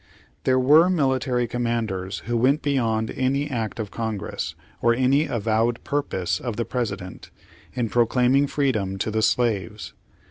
There were military commanders who went be yond any act of Congress, or any avowed purpose of the President, in proclaiming freedom to the slaves.